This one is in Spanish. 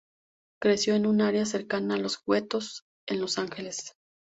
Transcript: Creció en un área cercana a los guetos, en Los Ángeles.